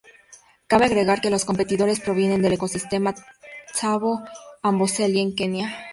Cabe agregar que los competidores provienen del ecosistema Tsavo-Amboseli en Kenia.